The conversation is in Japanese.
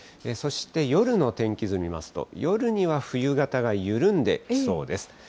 そして、夜の天気図見ますと、夜には冬型が緩んできそうです。